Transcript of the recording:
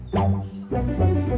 pak rizal hebat lo